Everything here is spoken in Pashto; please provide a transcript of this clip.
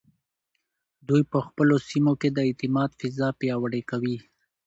دوی په خپلو سیمو کې د اعتماد فضا پیاوړې کوي.